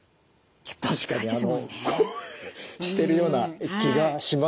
たしかにこうしてるような気がします。